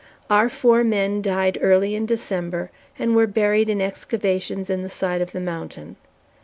Our four men died early in December and were buried in excavations in the side of the mountain.